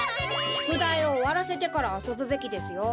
しゅくだいをおわらせてからあそぶべきですよ。